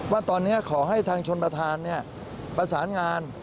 ว่าตอนนี้ขอให้ทางชนประธานประสานงาน